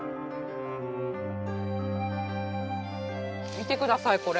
見て下さいこれ。